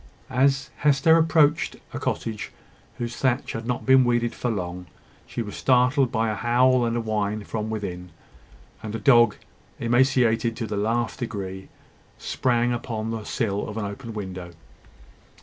As Hester approached a cottage whose thatch had not been weeded for long, she was startled by a howl and whine from within; and a dog, emaciated to the last degree, sprang upon the sill of an open window.